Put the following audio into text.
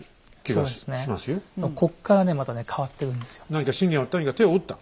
何か信玄はとにかく手を打った？